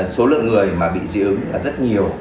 số lượng người bị dị ứng rất nhiều